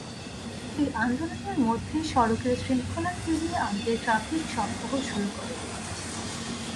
এই আন্দোলনের মধ্যেই সড়কের শৃঙ্খলা ফিরিয়ে আনতে ট্রাফিক সপ্তাহ শুরু করে পুলিশ।